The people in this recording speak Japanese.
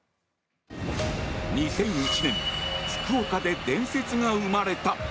２００１年福岡で伝説が生まれた。